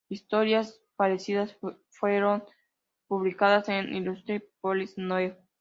Historias parecidas fueron publicadas en las "Illustrated Police News".